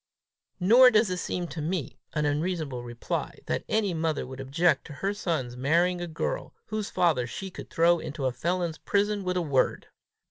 "Nor does it seem to me an unreasonable reply, that any mother would object to her son's marrying a girl whose father she could throw into a felon's prison with a word!"